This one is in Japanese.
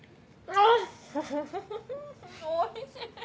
おいしい！